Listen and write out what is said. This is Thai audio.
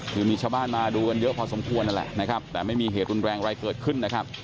คือมีชาวบ้านมาดูกันเยอะพอสมควรนั่นแหละนะครับแต่ไม่มีเหตุรุนแรงอะไรเกิดขึ้นนะครับ